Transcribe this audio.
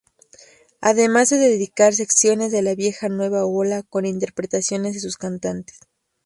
Además de dedicar secciones de la vieja Nueva Ola con interpretaciones de sus cantantes.